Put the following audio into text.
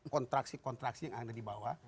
kontraksi kontraksi yang ada di bawah